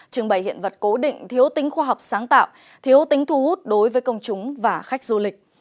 trưng bày hiện vật cố định thiếu tính khoa học sáng tạo thiếu tính thu hút đối với công chúng và khách du lịch